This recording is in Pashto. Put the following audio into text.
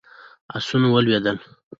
آسونه ولوېدل.